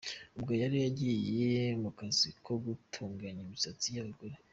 ubwo yari agiye mu kazi ko gutunganya imisatsi y΄abagore.